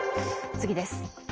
次です。